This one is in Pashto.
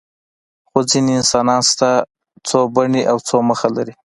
خو ځینې انسانان شته چې څو بڼې او څو مخه لري.